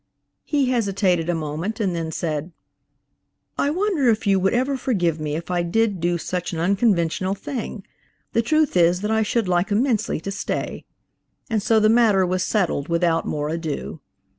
He hesitated a moment, and then said: "I wonder if you would ever forgive me if I did do such an unconventional thing? The truth is that I should like immensely to stay." And so the matter was settled without more ado.